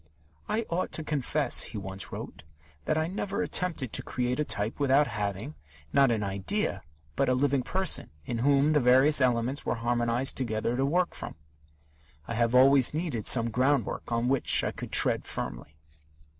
"I ought to confess," he once wrote, "that I never attempted to create a type without having, not an idea, but a living person, in whom the various elements were harmonized together, to work from. I have always needed some groundwork on which I could tread firmly."